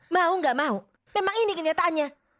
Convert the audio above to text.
mau gak mau memang ini kenyataannya